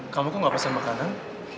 kamu kok gak pesen makanan